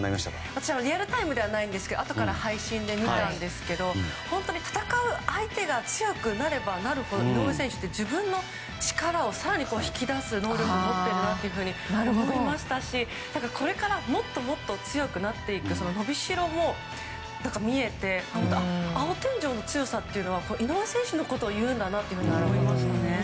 私、リアルタイムではないんですけどあとから配信で見たんですが本当に戦う相手が強くなればなるほど井上選手って自分の力を更に引き出す能力を持っているなというふうに思いましたしこれからもっともっと強くなっていく伸びしろも見えて青天井の強さというのは井上選手のことを言うんだなと思いましたね。